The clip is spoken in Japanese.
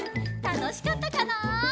たのしかったかな？